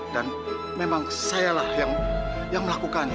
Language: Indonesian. dan memang sayalah yang melakukannya